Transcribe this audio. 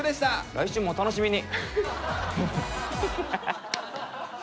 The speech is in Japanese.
来週もお楽しみに。